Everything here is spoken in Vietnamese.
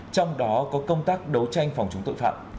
trong đó có công tác đấu tranh phòng chống tội phạm